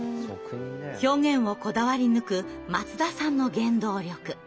表現をこだわりぬく松田さんの原動力。